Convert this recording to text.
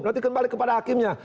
nanti kembali kepada hakimnya